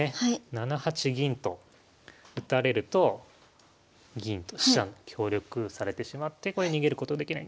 ７八銀と打たれると銀と飛車が協力されてしまって逃げることできない。